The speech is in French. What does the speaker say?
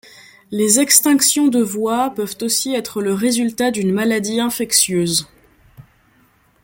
Les extinctions de voix peuvent aussi être le résultat d'une maladie infectieuse.